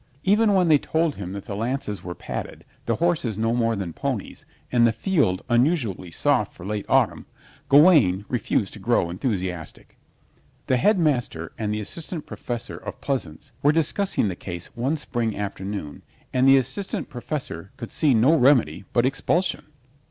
Even when they told him that the lances were padded, the horses no more than ponies and the field unusually soft for late autumn, Gawaine refused to grow enthusiastic. The Headmaster and the Assistant Professor of Pleasaunce were discussing the case one spring afternoon and the Assistant Professor could see no remedy but expulsion.